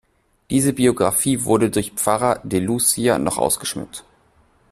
Diese Biographie wurde durch Pfarrer de Lucia noch ausgeschmückt.